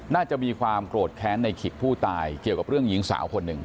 น่าจะมีความโกรธแค้นในขิกผู้ตายเกี่ยวกับเรื่องหญิงสาวคนหนึ่ง